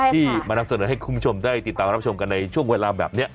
ที่มานำเสนอให้คุณผู้ชมได้ติดตามรับชมกันในช่วงเวลาแบบนี้